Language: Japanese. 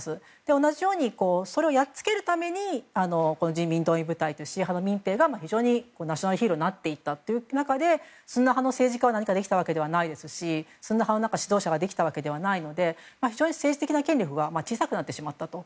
同じようにそれをやっつけるために人民動員部隊というシーア派の部隊が非常にナショナルヒーローになっていった中でスンニ派の政治家は何かできたわけじゃないですしスンニ派の指導者ができたわけではないので非常に、政治的な権力が小さくなってしまったと。